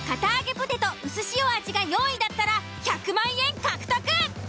ポテトうすしお味が４位だったら１００万円獲得。